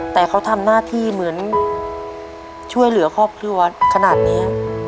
แต่เขาทำหน้าที่เหมือนช่วยเหลือครอบครัวขนาดนี้